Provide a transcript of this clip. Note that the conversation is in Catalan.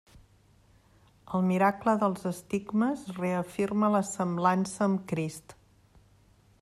El miracle dels estigmes reafirma la semblança amb Crist.